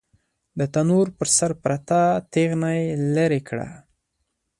د تنور پر سر پرته تېغنه يې ليرې کړه.